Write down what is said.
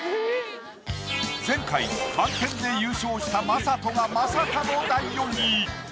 前回満点で優勝した魔裟斗がまさかの第４位。